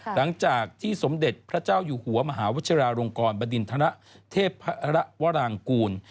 หลังจากที่สมเด็จพระเจ้าอยู่หัวมหาวชิราลงกรบดินทรเทพระวรางกูล